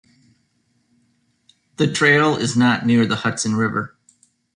The trail is not near the Hudson River.